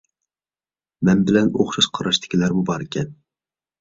مەن بىلەن ئوخشاش قاراشتىكىلەرمۇ باركەن.